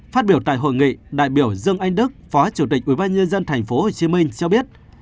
phát biểu tại hội nghị đại biểu dương anh đức phó chủ tịch ubnd tp hcm cho biết